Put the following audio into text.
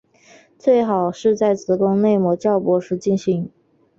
最好是在子宫内膜较薄时进行。